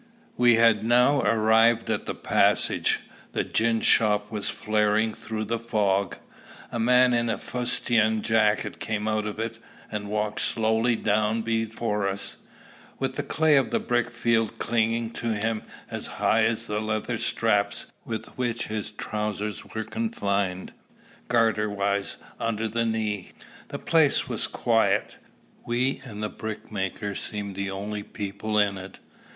We had now arrived at the passage. The gin shop was flaring through the fog. A man in a fustian jacket came out of it, and walked slowly down before us, with the clay of the brick field clinging to him as high as the leather straps with which his trousers were confined, garter wise, under the knee. The place was quiet. We and the brickmaker seemed the only people in it.